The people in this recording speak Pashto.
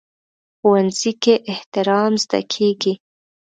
ښوونځی کې احترام زده کېږي